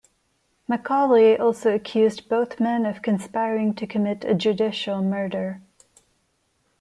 Macaulay also accused both men of conspiring to commit a judicial murder.